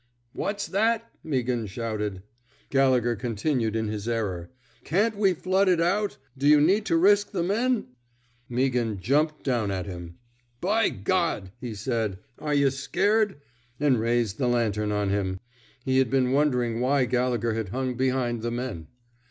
'^What's thatf " Meaghan shouted. Gallegher continued in his error. Can't we flood it outf Do you need to risk the menf " Meaghan jumped down at him. By God! " he said. Are yuh scared! " and raised the lantern on him. He had been wondering why Gallegher had hung behind the men.